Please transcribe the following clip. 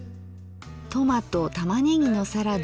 「トマト玉ねぎのサラダ」